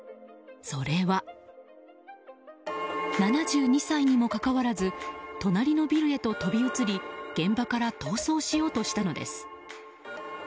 それは、７２歳にもかかわらず隣のビルへと飛び移り現場から逃走しようとしたのです。